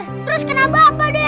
terus kenapa apa deh